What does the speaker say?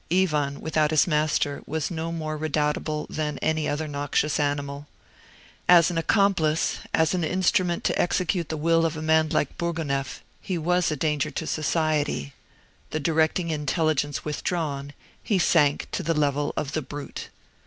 Ivan without his master was no more redoubtable than any other noxious animal. As an accomplice, as an instrument to execute the will of a man like Bourgonef, he was a danger to society. The directing intelligence withdrawn, he sank to the level of the brute.